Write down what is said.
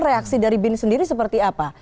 reaksi dari bin sendiri seperti apa